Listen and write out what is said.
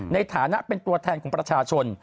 ในฐานะเป็นตัวแทนของประชาชน